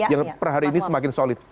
yang per hari ini semakin solid